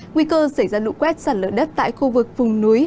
nguy cơ xảy ra lụ quét giảm lửa đất tại khu vực vùng núi